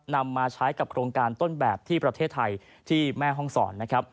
นำมาใช้กับโครงการต้นแบบที่ประเทศไทยที่แม่ห้องศรนะครับ